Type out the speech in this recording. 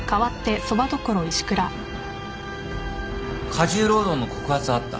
過重労働の告発はあった。